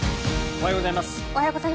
おはようございます。